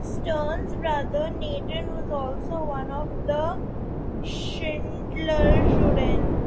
Stern's brother Natan was also one of the Schindlerjuden.